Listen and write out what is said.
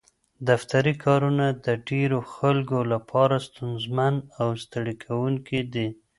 دفتري کارونه د ډېرو خلکو لپاره ستونزمن او ستړي کوونکي دي.